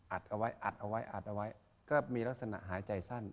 อัดเอาไว้อัดเอาไว้อัดเอาไว้ก็มีลักษณะหายใจสั้น